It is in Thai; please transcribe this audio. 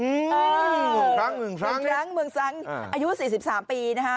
เมืองซั้งเมืองซั้งเมืองซั้งอายุสี่สิบสามปีนะฮะ